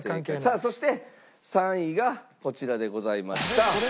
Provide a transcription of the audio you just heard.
さあそして３位がこちらでございました。